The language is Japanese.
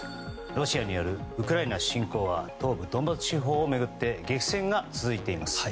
ロシアによるウクライナ侵攻は東部ドンバス地方を巡って激戦が続いています。